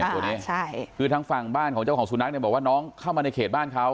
ตัวนี้ใช่คือทางฝั่งบ้านของเจ้าของสุนัขเนี่ยบอกว่าน้องเข้ามาในเขตบ้านเขา